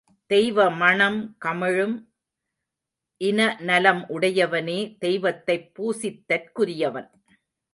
தெய்வ மணம் கமழும் இனநலம் உடையவனே தெய்வத்தைப் பூசித்தற்குரியவன்.